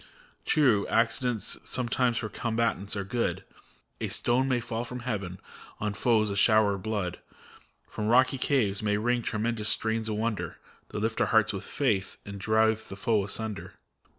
True, accidents sometimes for combatants are good; A stone may fall from heaven, on foes a shower of blood ; From rocky caves may ring tremendous strains of wonder. That lift our hearts with faith, and drive the foe asunder.